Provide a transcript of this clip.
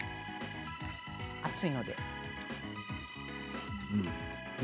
熱いので。